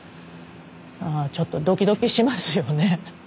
ああちょっとドキドキしますよね。